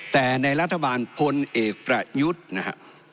แต่ในรัฐบาลพลเอกประยุทธ์นะครับ